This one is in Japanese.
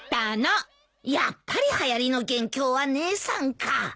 やっぱりはやりの元凶は姉さんか。